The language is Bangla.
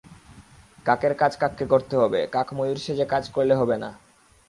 কাকের কাজ কাককে করতে হবে, কাক ময়ূর সেজে কাজ করলে হবে না।